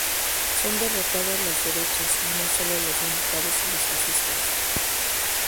Son derrotadas las derechas, y no solo los militares y los fascistas.